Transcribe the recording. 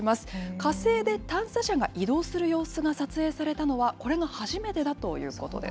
火星で探査車が移動する様子が撮影されたのはこれが初めてだということです。